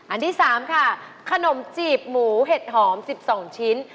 อันที่๓ค่ะขนมจีบหมูเห็ดหอม๑๒ชิ้น